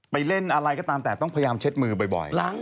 เล่นอะไรก็ตามแต่ต้องพยายามเช็ดมือบ่อย